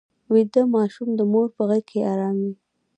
ویده ماشوم د مور په غېږ کې ارام وي